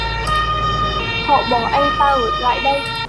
Họ bỏ anh ta ở lại đây